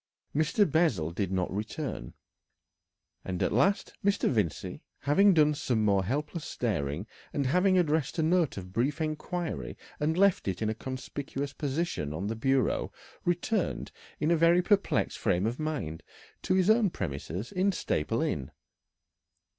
Mr. Bessel did not return, and at last Mr. Vincey, having done some more helpless staring, and having addressed a note of brief inquiry and left it in a conspicuous position on the bureau, returned in a very perplexed frame of mind to his own premises in Staple Inn.